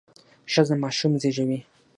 ښځه ماشوم زیږوي.